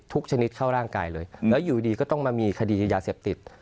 ชนิดเข้าร่างกายเลยแล้วอยู่ดีก็ต้องมามีคดียาเสพติด